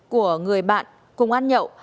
của người bạn cùng ăn nhậu